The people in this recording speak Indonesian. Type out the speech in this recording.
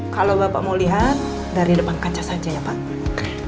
kalau bapak mau lihat dari depan kancah saja ya pak